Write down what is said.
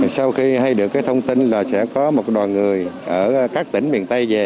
sau khi được thông tin là sẽ có một đoàn người ở các tỉnh miền tây về